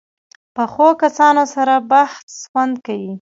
پخو کسانو سره بحث خوند کوي